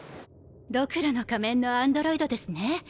ドクロの仮面のアンドロイドですね。